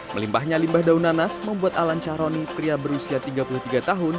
melimpahnya limbah daun nanas membuat alan syahroni pria berusia tiga puluh tiga tahun